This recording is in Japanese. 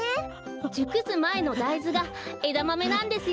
じゅくすまえのだいずがえだまめなんですよ。